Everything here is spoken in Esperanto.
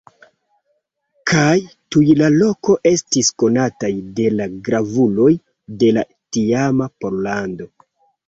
Kaj tuj la loko estis konataj de la gravuloj de la tiama Pollando.